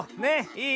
いい？